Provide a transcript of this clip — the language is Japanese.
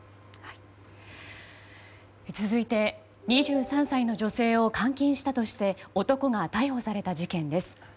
続いて、２３歳の女性を監禁したとして男が逮捕された事件です。